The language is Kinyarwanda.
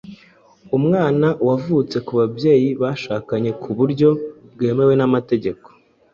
Umwana wavutse ku babyeyi bashakanye ku buryo bwemewe n’amategeko